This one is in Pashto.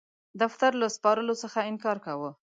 دفتر له سپارلو څخه انکار کاوه.